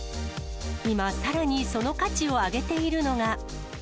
今、さらにその価値を上げているのが。